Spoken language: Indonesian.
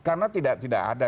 karena tidak ada